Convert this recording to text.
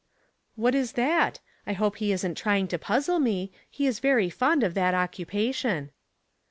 *' What is that ? I hope he isn't trying to puzzle me. He is very fond of that occupation."